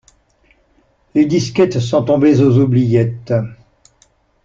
Les disquettes sont tombées aux oubliettes.